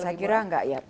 saya kira tidak ya